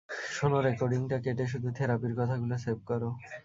শোন, রেকর্ডিংটা কেটে শুধু থেরাপির কথা গুলো সেভ কর।